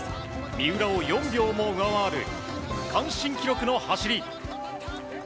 三浦を４秒も上回る区間新記録の走り。